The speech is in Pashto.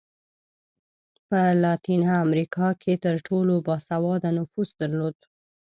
په لاتینه امریکا کې تر ټولو با سواده نفوس درلود.